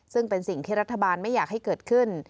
ซึ่งเป็นสิ่งที่รัฐบาลไม่อยากให้เกิดขึ้น